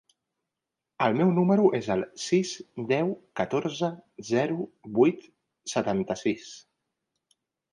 El meu número es el sis, deu, catorze, zero, vuit, setanta-sis.